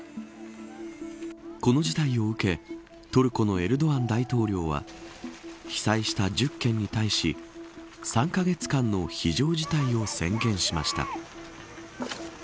この事態を受けトルコのエルドアン大統領は被災した１０県に対し３カ月間の非常事態を宣言しました。